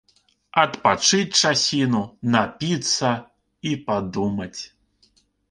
Адпачыць часіну, напіцца і падумаць.